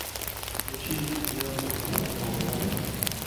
延續採用平方投票法